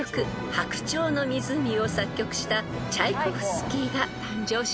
『白鳥の湖』を作曲したチャイコフスキーが誕生しました］